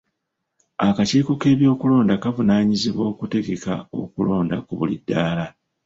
Akakiiko k'ebyokulonda kavunaanyizibwa okutegeka okulonda ku buli ddaala.